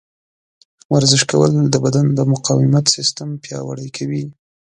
ورزش کول د بدن د مقاومت سیستم پیاوړی کوي.